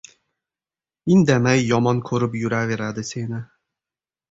Indamay yomon koʻrib yuraveradi seni.